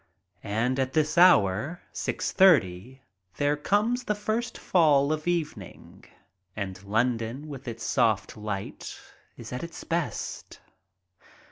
And at this hour, six thirty, there comes the first fall of evening and London with its soft light is at its best.